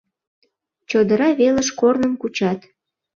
Чодыра велыш корным кучат.